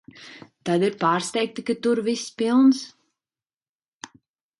Tad ir pārsteigti, ka tur viss pilns.